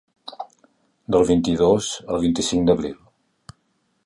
Del vint-i-dos al vint-i-cinc d’abril.